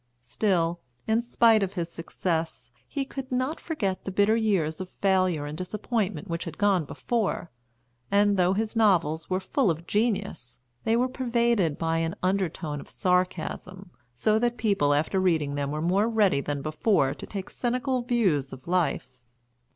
Still, in spite of his success, he could not forget the bitter years of failure and disappointment which had gone before, and though his novels were full of genius they were pervaded by an undertone of sarcasm, so that people after reading them were more ready than before to take cynical views of life.